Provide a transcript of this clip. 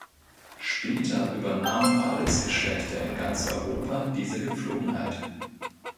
Später übernahmen Adelsgeschlechter in ganz Europa diese Gepflogenheit.